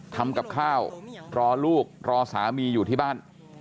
ทำกับข้าวรอลูกรอสามีอยู่ที่บ้าน